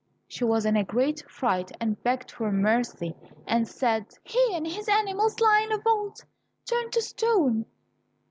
She was in a great fright, begged for mercy and said, He and his animals lie in a vault, turned to stone.